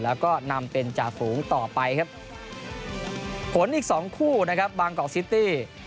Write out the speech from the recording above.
แล้วก็นำเป็นจ่าฝูงต่อไปครับผลอีกสองคู่นะครับบางกอกซิตี้